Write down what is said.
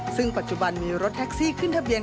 ซึ่งปัจจุบันมีรถแท็กซี่ขึ้นทะเบียน